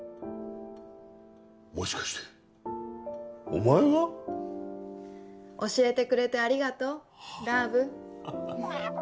もしかしてお前が？教えてくれてありがとうラブ。